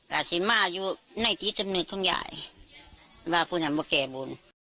กับสินมารอยู่ในที่จำนวนของใหญ่มาพูดทำว่าแก่บูล